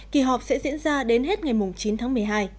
kỳ họp sẽ diễn ra đến hết ngày chín tháng một mươi hai